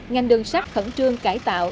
ngành đường sắt khẩn trương cải tạo